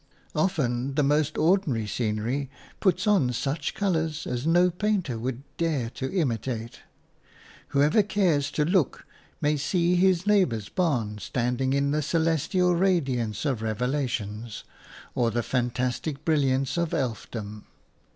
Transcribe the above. Often the most ordinary scenery puts on such colours as no painter would dare to imitate; whoever cares to look may see his neighbour's barn standing in the celestial radiance of Revelations or the fantastic brilliance of elfdom.